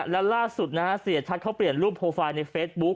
แล้วล่าสุดนะฮะเสียชัดเขาเปลี่ยนรูปโปรไฟล์ในเฟซบุ๊ค